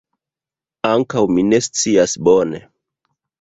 Ankaŭ mi ne scias bone.